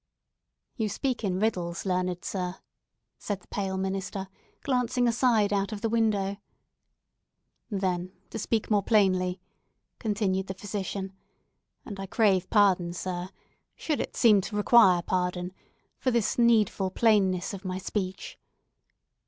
"You speak in riddles, learned sir," said the pale minister, glancing aside out of the window. "Then, to speak more plainly," continued the physician, "and I crave pardon, sir, should it seem to require pardon, for this needful plainness of my speech.